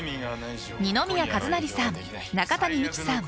二宮和也さん、中谷美紀さん